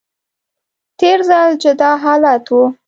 تیر ځل جدا حالت و